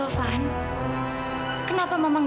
faidah be paidah